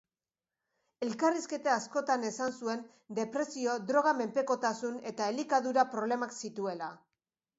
Elkarrizketa askotan esan zuen depresio, droga-menpekotasun eta elikadura problemak zituela.